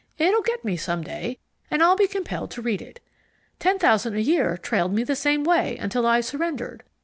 It'll get me some day, and I'll be compelled to read it. Ten Thousand a Year trailed me the same way until I surrendered.